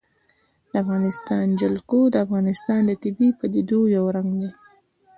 د افغانستان جلکو د افغانستان د طبیعي پدیدو یو رنګ دی.